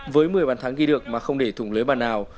với một mươi bàn thắng ghi được mà không để thủng lưới bàn nào